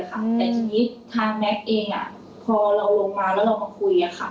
แต่ทีนี้ทางแม็กซ์เองพอเราลงมาแล้วเรามาคุย